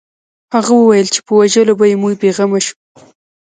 هغه وویل چې په وژلو به یې موږ بې غمه شو